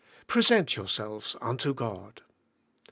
Present yourselves unto God.